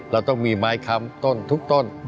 เราต้องมีไม้ค้ำต้นทุกต้น